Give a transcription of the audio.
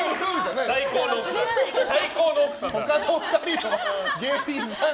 最高の奥さん。